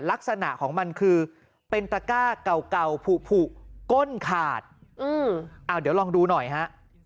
ลักษณะของมันคือเป็นตระก้าเก่าเก่าผูผูกก้นขาดเดี๋ยวลองดูหน่อยฮะ